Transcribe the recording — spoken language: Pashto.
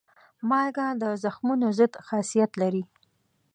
مالګه د زخمونو ضد خاصیت لري.